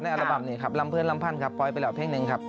ในอลับมี่ลำเพลลำไทน์ปลอยไปแล้วเพลงหนึ่งครับ